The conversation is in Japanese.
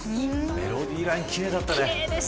メロディーライン奇麗だったね。